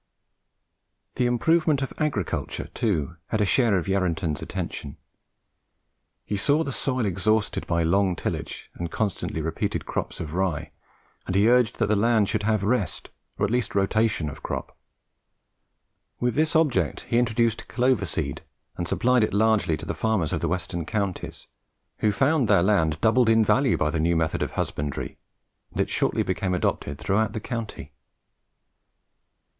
The improvement of agriculture, too, had a share of Yarranton's attention. He saw the soil exhausted by long tillage and constantly repeated crops of rye, and he urged that the land should have rest or at least rotation of crop. With this object he introduced clover seed, and supplied it largely to the farmers of the western counties, who found their land doubled in value by the new method of husbandry, and it shortly became adopted throughout the country.